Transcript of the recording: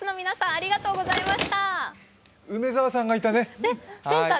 ありがとうございます。